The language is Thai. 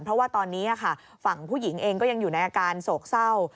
เพราะว่าตอนนี้ฝั่งผู้หญิงเองก็ยังอยู่ในอาการโศกเศร้า